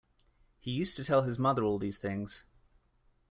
He used to tell his mother all these things.